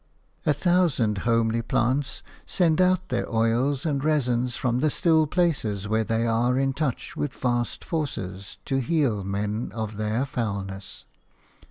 A thousand homely plants send out their oils and resins from the still places where they are in touch with vast forces, to heal men of their foulness.